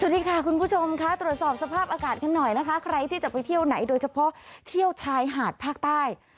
อย่ามาตอนบ่ายนะคะฝนเดี๋ยวเจอกันค่ะ